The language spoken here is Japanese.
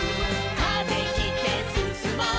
「風切ってすすもう」